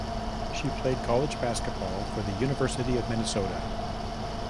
She played college basketball for the University of Minnesota.